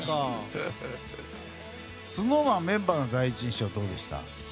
ＳｎｏｗＭａｎはメンバーの第一印象はどうでした？